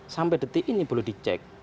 sampai detik ini boleh dicek